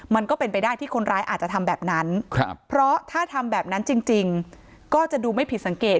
มันก็เป็นไปได้ที่คนร้ายอาจจะทำแบบนั้นเพราะถ้าทำแบบนั้นจริงก็จะดูไม่ผิดสังเกต